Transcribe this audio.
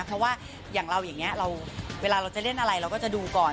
เพราะว่าอย่างเราอย่างนี้เวลาเราจะเล่นอะไรเราก็จะดูก่อน